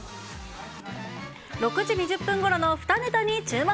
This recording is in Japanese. ６時２０分ごろのふたネタに注目。